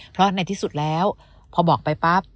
เพราะในที่สุดแล้วพอบอกไปปั๊บ